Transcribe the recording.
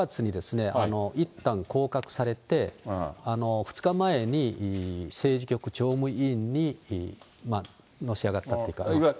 この方がいったん降格されて、２日前に政治局常務委員にのし上がったというか。